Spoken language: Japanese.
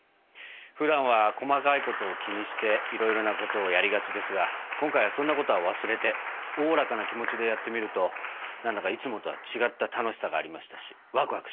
ふだんは細かいことを気にしていろいろなことをやりがちですが今回はそんなことは忘れておおらかな気持ちでやってみるとなんだかいつもとは違った楽しさがありましたしわくわくしました。